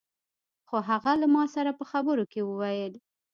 خو هغه له ما سره په خبرو کې وويل.